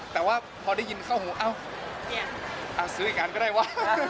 แต่ว่าพอได้ยินเข้าหูเอ้าซื้ออีกกันก็ได้วะ